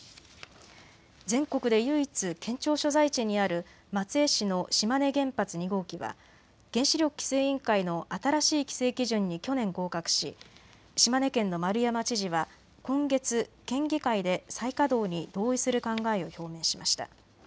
全国で唯一、県庁所在地にある松江市の島根原発２号機は原子力規制委員会の新しい規制基準に去年、合格し島根県の丸山知事は今月、県議会で再稼働に同意する考えを表明しました。